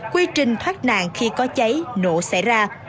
quy trình thoát nạn khi có cháy nổ xảy ra